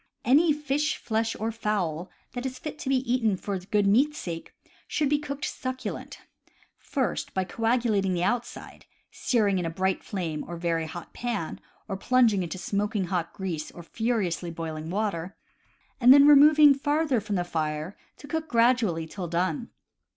Any fish, flesh, or fowl that is fit to be eaten for the good meat's sake should be cooked succulent, by first coagulating the outside (searing in a bright flame or in a very hot pan, or plunging into smoking hot grease or furiously boiling water) and then removing farther from the fire to cook gradually till done.